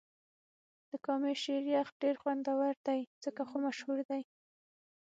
د کامی شیر یخ ډېر خوندور دی ځکه خو مشهور دې.